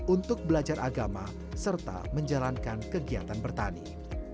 untuk belajar agama serta menjalankan kegiatan bertani